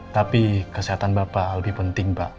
tapi kesehatan bapak lebih penting pak